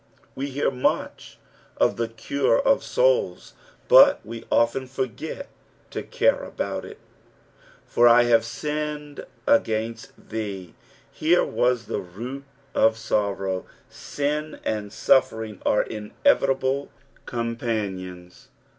We hear much ol the cure of souls, but we often forget to care about it. '^For I have tinned agaiatt thte.'' Here was the loot of aorrow. Bin and suffering are inevitable companions.